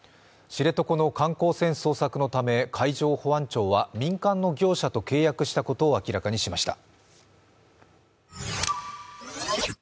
知床の観光船捜索のため海上保安庁は民間の業者と契約したことを明らかにしました。